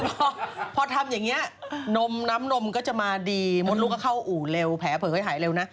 ก็พอทำอย่างนี้นมน้ำนมก็จะมาดีมดลูกก็เข้าอู่เร็วแผลเผยหายเร็วนะ